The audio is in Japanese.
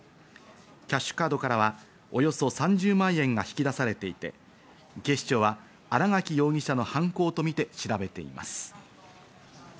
キャッシュカードからはおよそ３０万円が引き出されていて、警視庁は新垣容疑者の犯行とみて調べています。